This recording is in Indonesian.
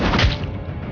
bardem ini keberadaan